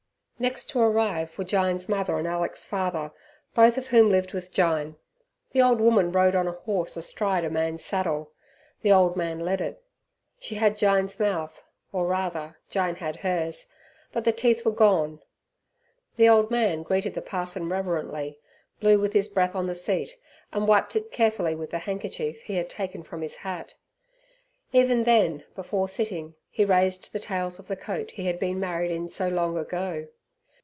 Next to arrive were Jyne's mother and Alick's father, both of whom lived with Jyne. The old woman rode on a horse astride a man's saddle. The old man led it. She had Jyne's mouth, or rather Jyne had hers, but the teeth were gone The old man greeted the parson reverently, blew with his breath on the seat, and wiped it carefully with the handkerchief he had taken from his hat. Even then before sitting he raised the tails of the coat he had been married in so long ago.